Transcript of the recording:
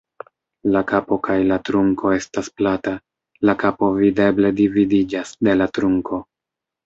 La kapo kaj la trunko estas plata, la kapo videble dividiĝas de la trunko.